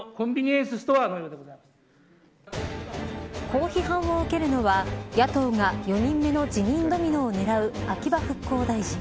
こう批判を受けるのは野党が４人目の辞任ドミノを狙う秋葉復興大臣。